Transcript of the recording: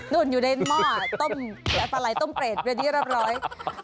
อยู่ในหม้อต้มปลาไหลต้มเปรตเป็นที่เรียบร้อย